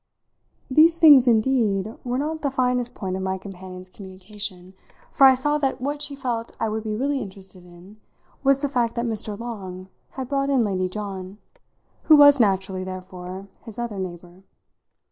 These things indeed were not the finest point of my companion's communication, for I saw that what she felt I would be really interested in was the fact that Mr. Long had brought in Lady John, who was naturally, therefore, his other neighbour.